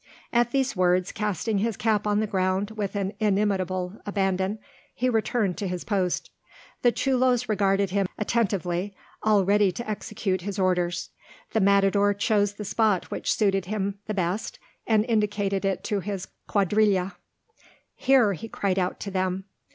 At these words, casting his cap on the ground with an inimitable abandon, he returned to his post. The chulos regarded him attentively, all ready to execute his orders. The matador chose the spot which suited him the best, and indicated it to his quadrilla. "Here!" he cried out to them.